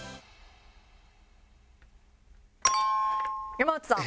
「山内さん」